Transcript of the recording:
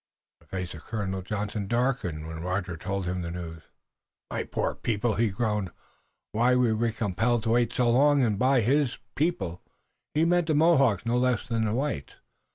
The face of Colonel Johnson darkened when Rogers told him the news. "My poor people!" he groaned. "Why were we compelled to wait so long?" And by his "people" he meant the Mohawks no less than the whites.